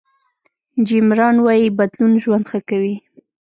جیم ران وایي بدلون ژوند ښه کوي.